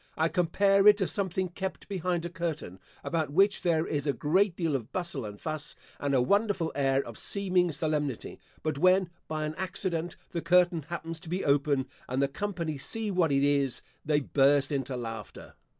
I compare it to something kept behind a curtain, about which there is a great deal of bustle and fuss, and a wonderful air of seeming solemnity; but when, by any accident, the curtain happens to be open and the company see what it is, they burst into laughter.